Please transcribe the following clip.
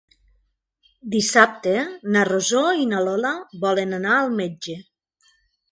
Dissabte na Rosó i na Lola volen anar al metge.